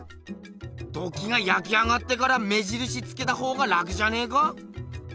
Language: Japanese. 土器が焼き上がってから目じるしつけたほうがラクじゃねえか？